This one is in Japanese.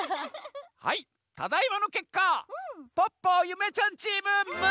はいただいまのけっかポッポゆめちゃんチーム６つせいかい！